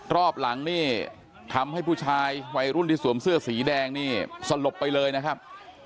รอบหลังนี่ทำให้ผู้ชายวัยรุ่นที่สวมเสื้อสีแดงนี่สลบไปเลยนะครับ